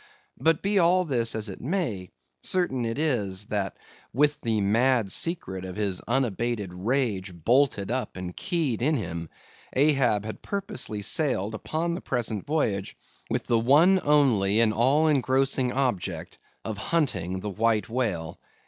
But be all this as it may, certain it is, that with the mad secret of his unabated rage bolted up and keyed in him, Ahab had purposely sailed upon the present voyage with the one only and all engrossing object of hunting the White Whale.